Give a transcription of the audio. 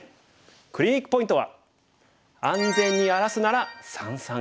クリニックポイントは。